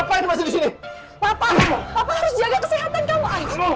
papa harus jaga kesehatan kamu